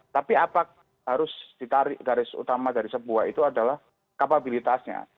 tapi apa harus ditarik garis utama dari sebuah itu adalah kapabilitasnya